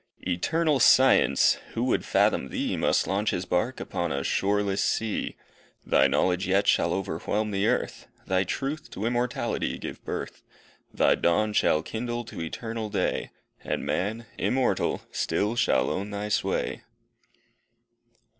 Eternal Science! who would fathom thee Must launch his bark upon a shoreless sea. Thy knowledge yet shall overwhelm the earth, Thy truth to immortality to give birth; Thy dawn shall kindle to eternal day, And man, immortal, still shall own thy sway.